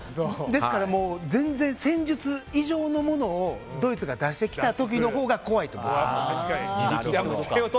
ですから、戦術以上のものをドイツが出してきた時のほうが怖いと思います。